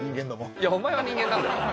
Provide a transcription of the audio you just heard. いやお前は人間なんだよ。